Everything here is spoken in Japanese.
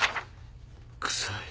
臭い。